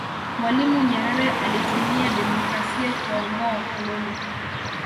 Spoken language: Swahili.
mwalimu nyerere alitumia demokrasia kuwaondoa wakoloni